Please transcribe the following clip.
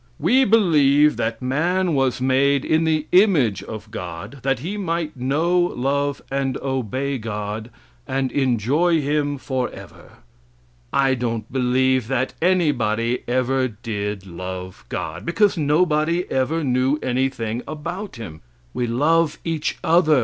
"We believe that man was made in the image of God, that he might know, love and obey God, and enjoy Him for ever." I don't believe that anybody ever did love God, because nobody ever knew anything about Him. We love each other.